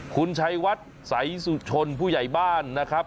คุณชัยวัดสายสุชนผู้ใหญ่บ้านนะครับ